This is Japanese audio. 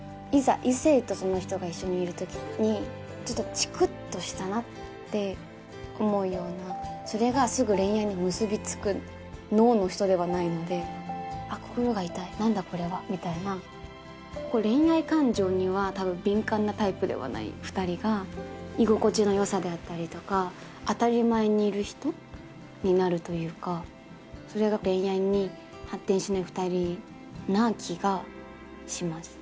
異性とその人が一緒にいる時にちょっとチクッとしたなって思うようなそれがすぐ恋愛に結びつく脳の人ではないので「あっ心が痛い何だこれは？」みたいな恋愛感情にはたぶん敏感なタイプではない２人が居心地のよさであったりとか当たり前にいる人？になるというかそれが恋愛に発展しない２人な気がします